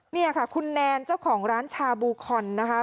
นี่ค่ะคุณแนนเจ้าของร้านชาบูคอนนะคะ